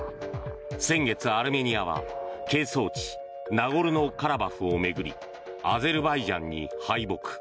先月、アルメニアは係争地ナゴルノカラバフを巡りアゼルバイジャンに敗北。